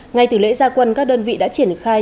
ngay từ lễ gia quân các đơn vị đã triển khai